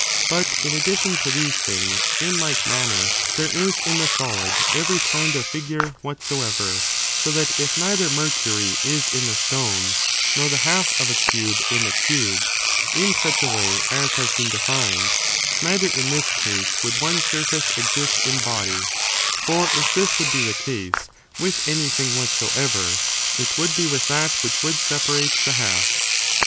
But, in addition to these things, in like manner, there is in the solid every kind of figure whatsoever; so that, if neither mercury is in the stone, nor the half of a cube in the cube, in such a way as has been defined, neither, in this case, would one surface exist in body: for if this would be the case with anything whatsoever, it would be with that which would separate the half.